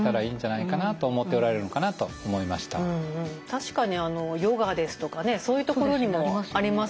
確かに「ヨガ」ですとかねそういうところにもありますもんね。